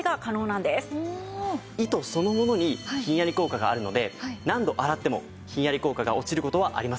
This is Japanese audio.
糸そのものにひんやり効果があるので何度洗ってもひんやり効果が落ちる事はありません。